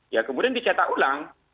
ya kemudian dicetak ulang